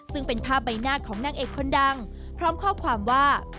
ซึ่งเป็นภาพใบหน้าของนางเอกคนดังพร้อมข้อความว่า